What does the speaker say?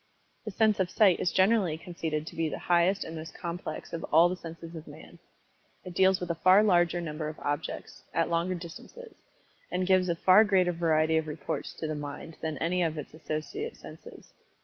The sense of Sight is generally conceded to be the highest and most complex of all the senses of Man. It deals with a far larger number of objects at longer distances and gives a far greater variety of reports to the mind than any of its associate senses.